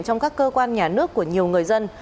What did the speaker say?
trong các cơ quan nhà nước của nhiều người dân